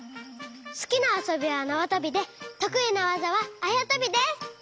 すきなあそびはなわとびでとくいなわざはあやとびです！